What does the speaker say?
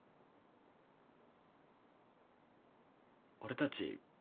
俺たち